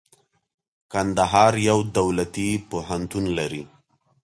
کندهار يو دولتي پوهنتون لري.